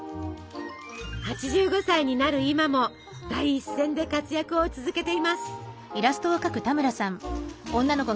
８５歳になる今も第一線で活躍を続けています。